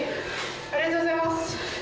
ありがとうございます。